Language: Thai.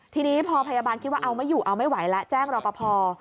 ทีนี้พอพยาบาลคิดว่าเอาไม่อยู่เอาไม่ไหวแล้วแจ้งรอปภ